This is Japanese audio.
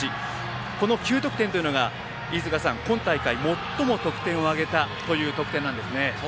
この９得点というのが今大会、最も得点を挙げたという得点なんですね。